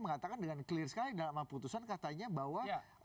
mengatakan dengan clear sekali dalam putusan katanya bahwa